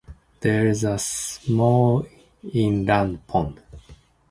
There is a small inland pond.